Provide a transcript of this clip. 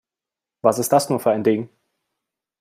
Was ist das nur für ein Ding?